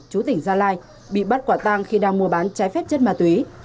chú tỉnh gia lai bị bắt quả tang khi đang mua bán trái phép chất ma túy